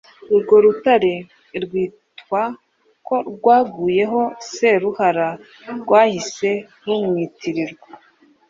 Urwo rutare rwitwa ko rwaguyeho Saruhara rwahise rumwitirirwa